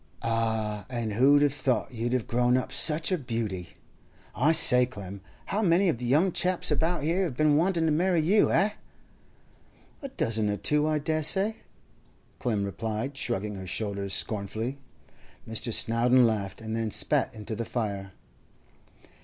'Ah! And who'd have thought you'd have grown up such a beauty! I say, Clem, how many of the young chaps about here have been wanting to marry you, eh?' 'A dozen or two, I dessay,' Clem replied, shrugging her shoulders scornfully. Mr. Snowdon laughed, and then spat into the fire.